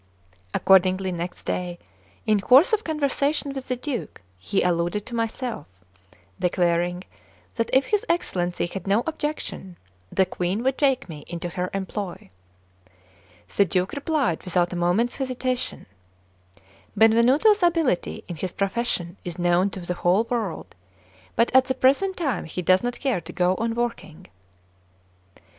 Accordingly, next day, in course of conversation with the Duke, he alluded to myself, declaring that if his Excellency had no objection, the Queen would take me into her employ. The Duke replied without a moment's hesitation: "Benvenuto's ability in his profession is known to the whole world; but at the present time he does not care to go on working."